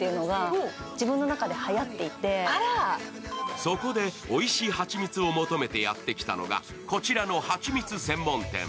そこでおいしい蜂蜜を求めてやってきたのがこちらの蜂蜜専門店。